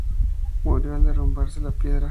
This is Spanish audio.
Murió al derrumbarse la piedra.